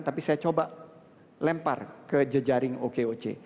tapi saya coba lempar ke jejaring okoc